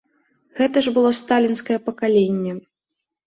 Гэта ж было сталінскае пакаленне.